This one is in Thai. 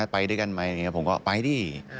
ไปด้วยกันไหมผมก็ไปดิ